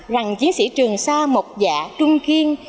rằng chiến sĩ trường sa mộc dạ trung kiên